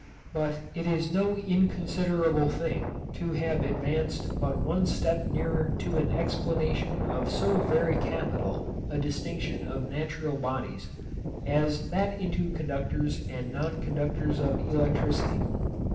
But it is no inconsiderable thing to have advanced but one step nearer to an explanation of so very capital a distinction of natural bodies, as that into conductors and non conductors of electricity.